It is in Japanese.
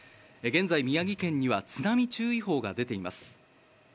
現在、宮城県には津波注意報が出ています。